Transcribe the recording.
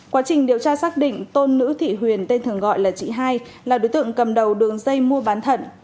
quá trình điều tra xác định tôn nữ thị huyền tên thường gọi là chị hai là đối tượng cầm đầu đường dây mua bán thận